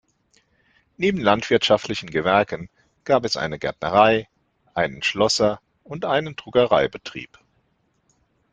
Neben landwirtschaftlichen Gewerken gab es eine Gärtnerei, einen Schlosser- und einen Druckereibetrieb.